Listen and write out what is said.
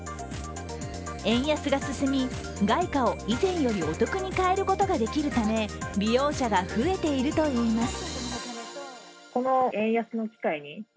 円安が進み、外貨を以前よりお得に替えることができるため利用者が増えているといいます。